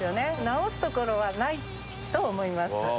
直すところはないと思います。